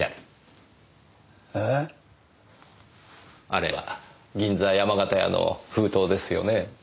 あれは銀座山形屋の封筒ですよね？